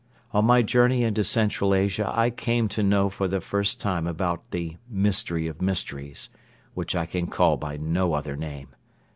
On my journey into Central Asia I came to know for the first time about "the Mystery of Mysteries," which I can call by no other name.